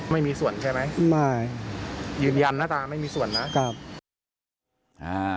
ไม่มีส่วนใช่ไหมยืนยันนะตาไม่มีส่วนนะ